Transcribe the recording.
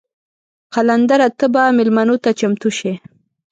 قلندره ته به میلمنو ته چمتو شې.